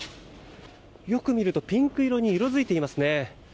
よく見るとピンク色に色づいていますね。